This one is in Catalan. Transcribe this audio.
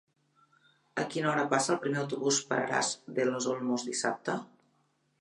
A quina hora passa el primer autobús per Aras de los Olmos dissabte?